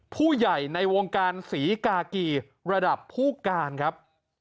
ผู้ใหญ่ในวงการศรีกากีระดับผู้การครับ